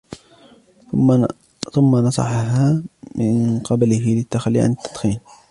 تم نصحهها من قبله للتخلي عن التدخين.